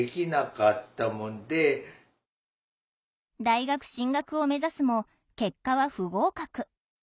大学進学を目指すも結果は不合格。